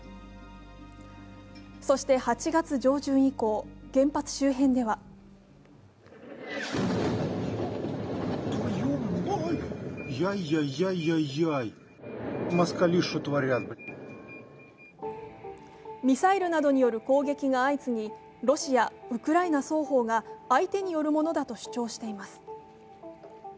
そして８月上旬以降、原発周辺ではミサイルなどによる攻撃が相次ぎ、ロシア、ウクライナ双方が相手によるものだと主張しています。